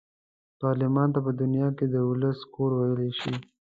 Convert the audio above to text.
پارلمان ته په دنیا کې د ولس کور ویلای شي.